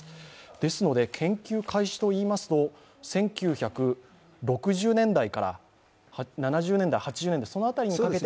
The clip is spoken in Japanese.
ですので研究開始は１９６０年代から７０年代、８０年代、その辺りにかけて。